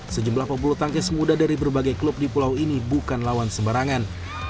sejumlah pebulu tangkis muda dari berbagai klub di pulau ini bukan lawan sembarangan